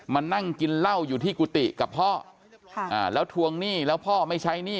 มานั่งกินเหล้าอยู่ที่กุฏิกับพ่อแล้วทวงหนี้แล้วพ่อไม่ใช้หนี้